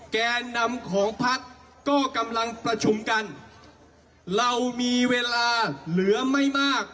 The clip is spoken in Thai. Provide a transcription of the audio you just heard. แก่นำของพักก็กำลังประชุมกันเรามีเวลาเหลือไม่มาก